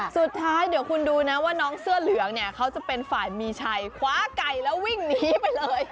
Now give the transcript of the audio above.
สุดท้ายเดี๋ยวคุณดูนะว่าน้องเสื้อเหลืองเนี่ยเขาจะเป็นฝ่ายมีชัยคว้าไก่แล้ววิ่งหนีไปเลย